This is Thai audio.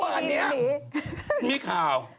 วันนี้มีข่าว